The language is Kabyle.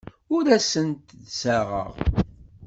Ur asent-d-ssaɣeɣ.